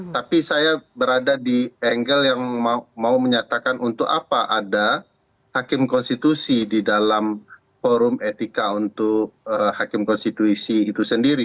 tapi saya berada di angle yang mau menyatakan untuk apa ada hakim konstitusi di dalam forum etika untuk hakim konstitusi itu sendiri